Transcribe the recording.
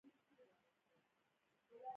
زده کړه نجونو ته د هارډویر ترمیم ور زده کوي.